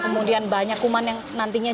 kemudian banyak kuman yang nantinya